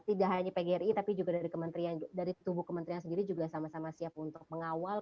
tidak hanya pgri tapi juga dari tubuh kementerian sendiri juga sama sama siap untuk mengawal